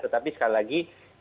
tapi sekali lagi